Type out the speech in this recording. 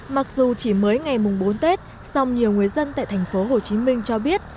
mặc dù chỉ mới ngày bốn tết song nhiều người dân tại thành phố hồ chí minh cho biết